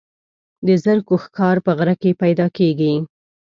د زرکو ښکار په غره کې پیدا کیږي.